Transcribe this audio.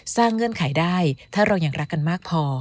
เงื่อนไขได้ถ้าเรายังรักกันมากพอ